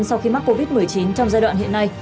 sau khi mắc covid một mươi chín trong giai đoạn hiện nay